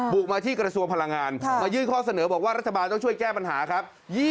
บุกมาที่กระทรวงพลังงานมายื่นข้อเสนอบอกว่ารัฐบาลต้องช่วยแก้ปัญหาครับ